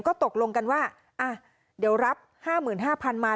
ก็ตกลงกันว่าเดี๋ยวรับ๕๕๐๐๐มา